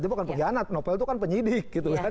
dia bukan pengkhianat novel itu kan penyidik